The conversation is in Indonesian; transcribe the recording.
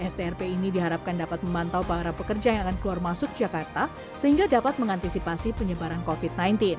strp ini diharapkan dapat memantau para pekerja yang akan keluar masuk jakarta sehingga dapat mengantisipasi penyebaran covid sembilan belas